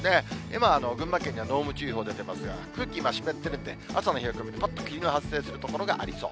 今、群馬県には濃霧注意報出ていますが、空気が湿ってるんで、朝の冷え込みでぱっと霧が発生する所がありそう。